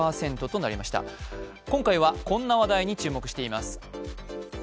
今回はこんな話題に注目しています。